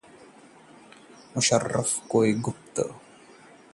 मुशर्रफ से नहीं हुआ कोई गुप्त समझौता: गिलानी